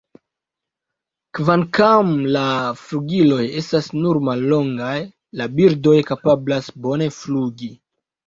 Kvankam la flugiloj estas nur mallongaj, la birdoj kapablas bone flugi.